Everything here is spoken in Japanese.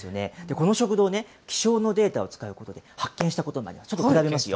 この食堂ね、気象のデータを使うことで発見したことが、ちょっと比べますよ。